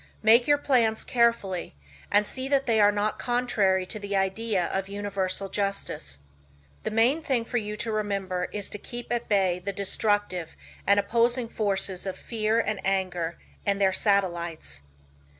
Make your plans carefully, and see that they are not contrary to the tides of universal justice. The main thing for you to remember is to keep at bay the destructive and opposing forces of fear and anger and their satellites.